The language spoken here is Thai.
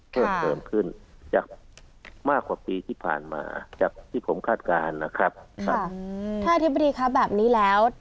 เพิ่มเติมขึ้นจากมากกว่าปีที่ผ่านมาจากที่ผมคาดการณ์นะครับครับถ้าอธิบดีครับแบบนี้แล้ว